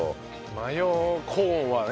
マヨコーンはね。